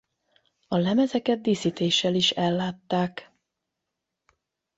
A lemezeket díszítéssel is ellátták.